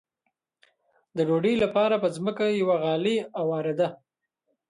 د ډوډۍ لپاره به په ځمکه یوه غالۍ اوارېده.